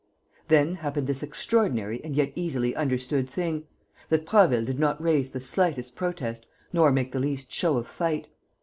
Then happened this extraordinary and yet easily understood thing, that Prasville did not raise the slightest protest nor make the least show of fight.